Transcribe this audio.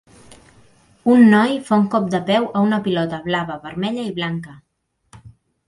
Un noi fa un cop de peu a una pilota blava, vermella i blanca.